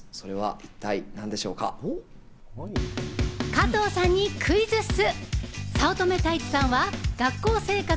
加藤さんにクイズッス！